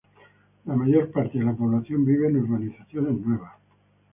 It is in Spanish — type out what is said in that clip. La mayor parte de la población vive en urbanizaciones nuevas.